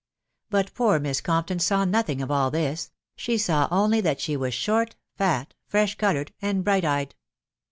But poor* Miss^Gompton' saw 'nothing efi all this ..... she* saw only that: she was short, fat, fresh coloured? and bright eyed